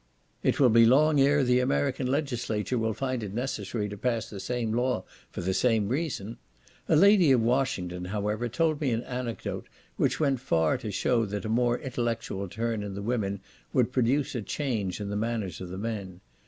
It will be long ere the American legislature will find it necessary to pass the same law for the same reason. A lady of Washington, however, told me an anecdote which went far to shew that a more intellectual turn in the women, would produce a change in the manners of the men.